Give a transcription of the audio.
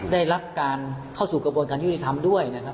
ได้รับการเข้าสู่กระบวนการยุติธรรมด้วยนะครับ